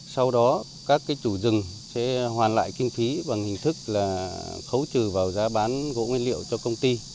sau đó các chủ rừng sẽ hoàn lại kinh phí bằng hình thức là khấu trừ vào giá bán gỗ nguyên liệu cho công ty